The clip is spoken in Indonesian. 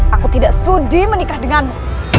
aku tidak setuju menikah denganmu